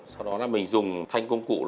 sau đó là mình dùng thanh công cụ